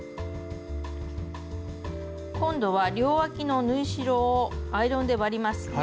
今度は両わきの縫い代をアイロンで割ります。